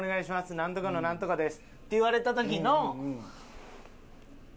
なんとかのなんとかです」って言われた時の。